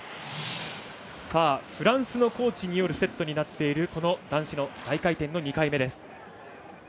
フランスのコーチによるセットになっているこの男子の大回転の２回目です。